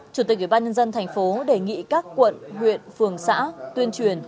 chủ tịch ủy ban nhân dân tp đề nghị các quận huyện phường xã tuyên truyền